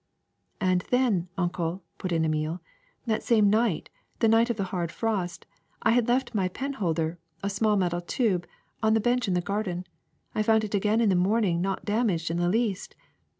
^^And then. Uncle," put in Emile, that same night, the night of the hard frost, I had left my pen holder, a small metal tube, on the bench in the gar den. I found it again in the morning not damaged in the least.